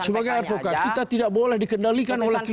sebagai advokat kita tidak boleh dikendalikan oleh kita